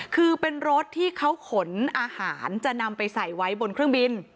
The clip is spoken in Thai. คือเป็นรถที่เขาขนอาหารจะนำไปใส่ไว้บนเครื่องบิน